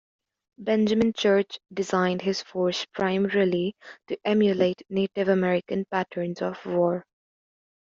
Benjamin Church designed his force primarily to emulate Native American patterns of war.